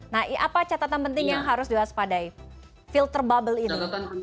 nah apa catatan penting yang harus diwaspadai filter bubble ini